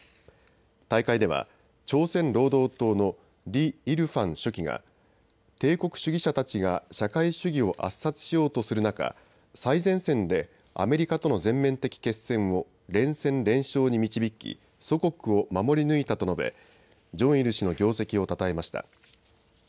大会では朝鮮労働党のリ・イルファン書記が帝国主義者たちが社会主義を圧殺しようとする中、最前線でアメリカとの全面的決戦を連戦連勝に導き祖国を守り抜いたと述べジョンイル氏の業績をたたえました。